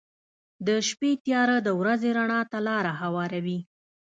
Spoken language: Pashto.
• د شپې تیاره د ورځې رڼا ته لاره هواروي.